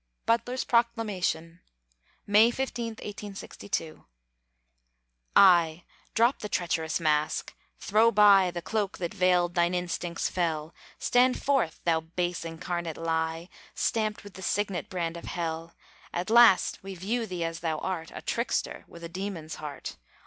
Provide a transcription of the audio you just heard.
BUTLER'S PROCLAMATION [May 15, 1862] Ay! drop the treacherous mask! throw by The cloak that veiled thine instincts fell, Stand forth, thou base, incarnate Lie, Stamped with the signet brand of hell! At last we view thee as thou art, A trickster with a demon's heart.